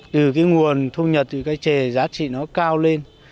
từ cái nguồn thu nhập từ cây trề giá trị nó cao lên